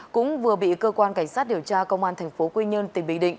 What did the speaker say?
cũng vừa bị cơ quan cảnh sát điều tra công an thành phố quy nhơn tỉnh bình định